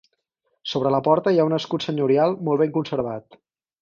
Sobre la porta hi ha un escut senyorial molt ben conservat.